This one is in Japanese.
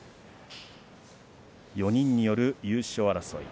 ４人による優勝争い。